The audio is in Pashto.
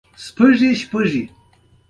څنګه کولی شم په درپشخه پیسې وګټم